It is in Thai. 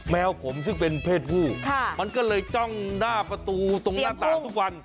แมวผมซึ่งเป็นเพศผู้มันก็เลยจ้องหน้าประตูตรงหน้าต่างทุกวัน